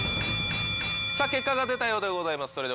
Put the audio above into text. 結果が出たようでございます。